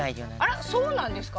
あらっそうなんですか？